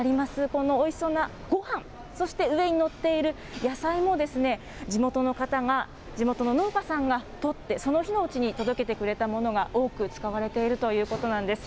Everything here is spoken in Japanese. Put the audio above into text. このおいしそうなごはん、そして上に載っている野菜も、地元の方が、地元の農家さんが取って、その日のうちに届けてくれたものが、多く使われているということなんです。